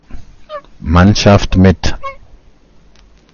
Mannschaft mit.